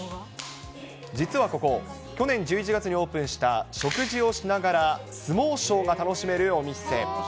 実はここ、去年１１月にオープンした、食事をしながら相撲ショーが楽しめるお店。